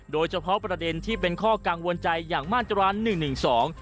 โดยเฉพาะประเด็นที่เป็นข้อกังวลใจอย่างมาตราหนึ่งหนึ่งสอง